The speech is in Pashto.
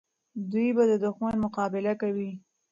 دوی به د دښمن مقابله کوي.